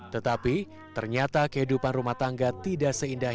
tetapi ternyata kehidupan rumah tangga tidak seindah